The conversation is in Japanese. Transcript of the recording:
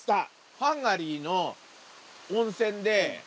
ハンガリーの温泉で。